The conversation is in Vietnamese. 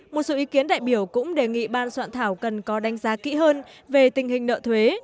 một số ý kiến đại biểu cũng đề nghị ban soạn thảo cần có đánh giá kỹ hơn về tình hình nợ thuế